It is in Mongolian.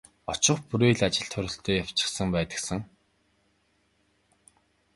Очих бүрий л ажил төрөлтэй явчихсан байдаг сан.